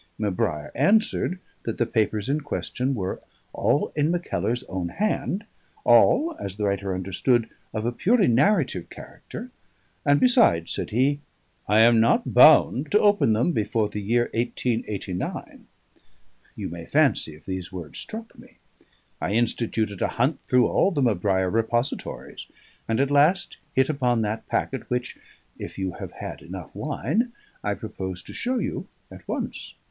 M'Brair answered, that the papers in question were all in Mackellar's own hand, all (as the writer understood) of a purely narrative character; and besides, said he, 'I am not bound to open them before the year 1889.' You may fancy if these words struck me: I instituted a hunt through all the M'Brair repositories; and at last hit upon that packet which (if you have had enough wine) I propose to show you at once."